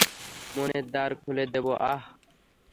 মনের দ্বার খুলে দেব, হাহ?